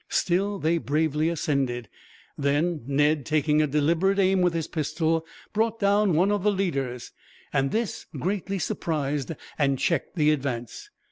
Still they bravely ascended. Then Ned, taking a deliberate aim with his pistol, brought down one of the leaders; and this greatly surprised and checked the advance.